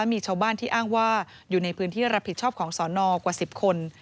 มีชาวบ้านที่อ้างว่าอยู่ในพื้นที่รับผิดชอบของสอนอกว่า๑๐คน